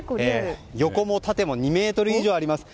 横も縦も２ｍ以上あります。